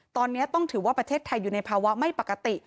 ตอนนี้ต้องถือว่าประเทศไทยอยู่ในภาวะไม่ปกติ